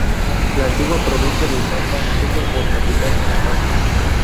La antigua provincia de Santa tuvo por capital a Casma.